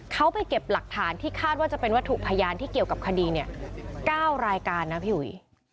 เขาไปเก็บหลักฐานที่คาดว่าจะเป็นวัตถุพยานที่เกี่ยวกับคดี๙รายการนะพี่หุย